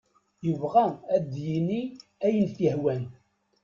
Yebɣa ad d-yini ayen t-yehwan.